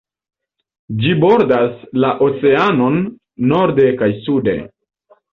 Ĝi bordas la oceanon norde kaj sude.